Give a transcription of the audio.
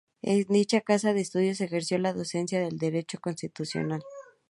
En dicha casa de estudios ejerció la docencia del Derecho Constitucional.